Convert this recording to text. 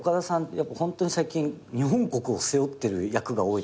ホントに最近日本国を背負ってる役が多いというか。